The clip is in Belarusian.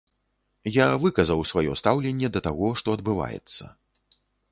Я выказаў сваё стаўленне да таго, што адбываецца.